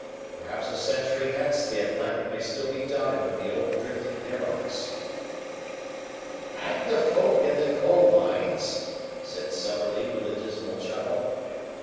Perhaps a century hence the Atlantic may still be dotted with the old drifting derelicts." "And the folk in the coal mines," said Summerlee with a dismal chuckle.